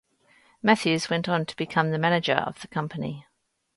Matthews went on to become the manager of the company.